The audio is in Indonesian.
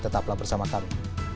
tetaplah bersama kami